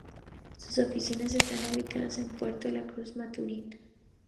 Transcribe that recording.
Sus oficinas están ubicadas en Puerto La Cruz y Maturín.